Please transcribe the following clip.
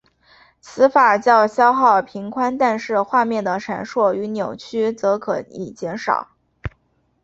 此法较消耗频宽但是画面的闪烁与扭曲则可以减少。